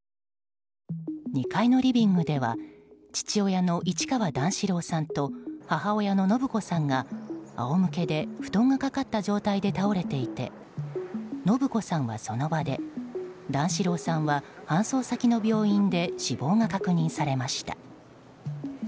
２階のリビングでは父親の市川段四郎さんと母親の延子さんが仰向けで布団がかかった状態で倒れていて、延子さんはその場で段四郎さんは搬送先の病院で死亡が確認されました。